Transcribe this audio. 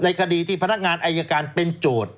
คดีที่พนักงานอายการเป็นโจทย์